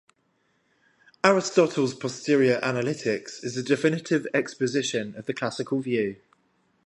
Aristotle's posterior analytics is a definitive exposition of the classical view.